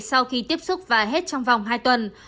sau khi tiếp xúc và hết trong vòng hai tuần